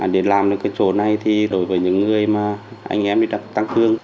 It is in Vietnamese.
để làm được cái chỗ này thì đối với những người mà anh em đi tăng cương